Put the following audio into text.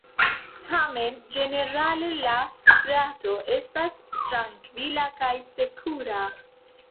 Tamen ĝenerale la strato estas trankvila kaj sekura.